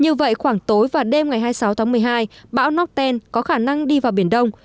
như vậy khoảng tối và đêm ngày hai mươi sáu tháng một mươi hai bão ten có khả năng đi vào biển đông